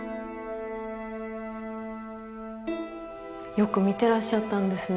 よく見てらっしゃったんですね